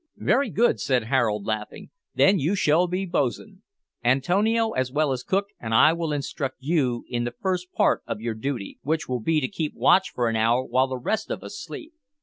"Very good," said Harold, laughing; "then you shall be boatswain, Antonio, as well as cook, and I will instruct you in the first part of your duty, which will be to keep watch for an hour while the rest of us sleep.